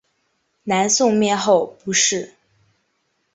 南宋灭后不仕。